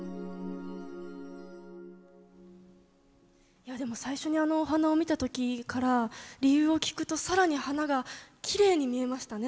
いやでも最初にあのお花を見た時から理由を聞くと更に花がきれいに見えましたね。